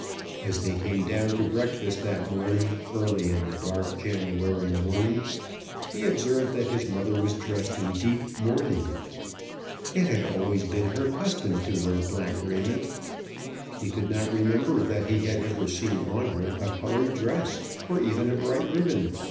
As they came down to breakfast that morning, early in the dark January morning, he observed that his mother was dressed in deep mourning. It had always been her custom to wear black raiment. He could not remember that he had ever seen on her a coloured dress, or even a bright ribbon.